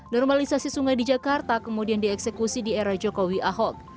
normalisasi sungai di jakarta kemudian dieksekusi di era jokowi ahok